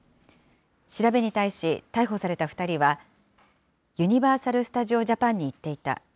調べに対し、逮捕された２人は、ユニバーサル・スタジオ・ジャパンに行っていた。